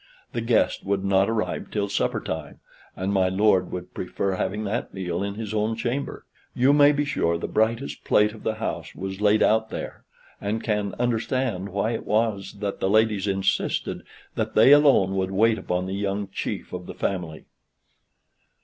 The guest would not arrive till supper time, and my lord would prefer having that meal in his own chamber. You may be sure the brightest plate of the house was laid out there, and can understand why it was that the ladies insisted that they alone would wait upon the young chief of the family.